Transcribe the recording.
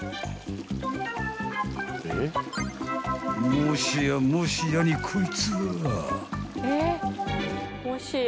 ［もしやもしやにこいつは］